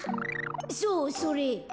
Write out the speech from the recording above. そうそれ。